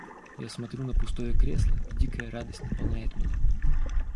Я смотрю на пустое кресло, и дикая радость наполняет меня.